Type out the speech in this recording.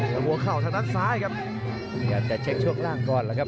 หัวเข่าทางด้านซ้ายครับ